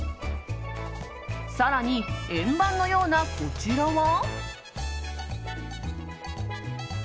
更に、円盤のようなこちらは。